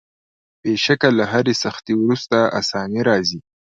بېشکه له هري سختۍ وروسته آساني راځي.